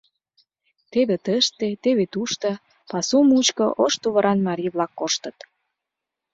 Теве тыште, теве тушто пасу мучко ош тувыран марий-влак коштыт.